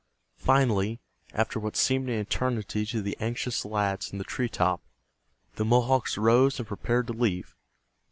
Finally, after what seemed an eternity to the anxious lads in the tree top, the Mohawks rose and prepared to leave.